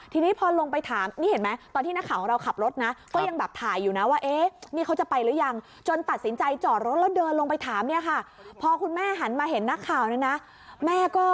ทีนี้พอนลงไปถาม